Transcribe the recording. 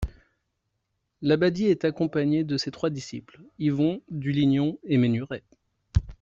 Labadie est accompagné de ses trois disciples, Yvon, Dulignon et Ménuret.